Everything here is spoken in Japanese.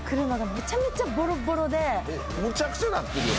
むちゃくちゃなってるよ